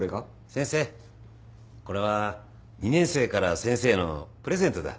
先生これは２年生から先生へのプレゼントだ。